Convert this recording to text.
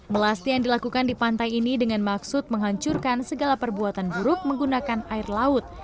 melasti yang dilakukan di pantai ini dengan maksud menghancurkan segala perbuatan buruk menggunakan air laut